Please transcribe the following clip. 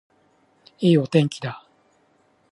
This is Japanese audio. いいお天気だ